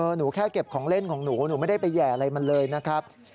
หนูแค่เก็บของเล่นของหนูหนูไม่ได้ไปแห่อะไรมันเลยนะครับ